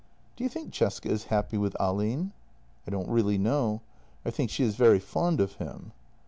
"Do you think Cesca is happy with Ahlin?" " I don't really know. I think she is very fond of him.